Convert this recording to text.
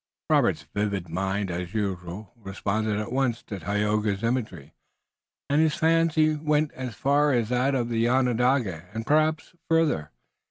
Robert's vivid mind as usual responded at once to Tayoga's imagery, and his fancy went as far as that of the Onondaga, and perhaps farther.